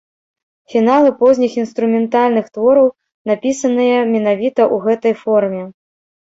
Фіналы позніх інструментальных твораў напісаныя менавіта ў гэтай форме.